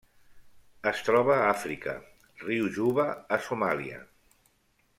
Es troba a Àfrica: riu Juba a Somàlia.